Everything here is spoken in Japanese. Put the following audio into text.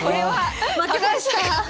負けました。